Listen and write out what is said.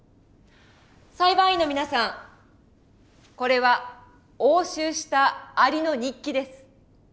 裁判員の皆さんこれは押収したアリの日記です。